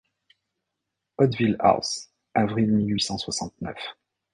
Hautevile-House, avril mille huit cent soixante-neuf.